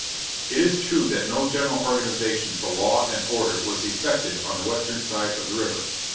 It is true that no general organization for law and order was effected on the western side of the river.